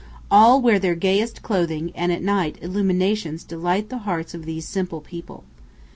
All wear their gayest clothing, and at night illuminations delight the hearts of these simple people.